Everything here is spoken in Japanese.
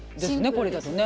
これだとね。